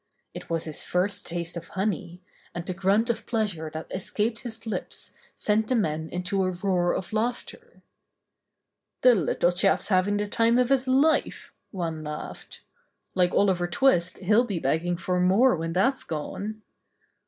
It was his first taste of honey, and the grunt of pleas ure that escaped his lips sent the men into a roar of laughter. "The little chap's having the time of his life," one laughed. "Like Oliver Twist he'll be begging for more when that's gone."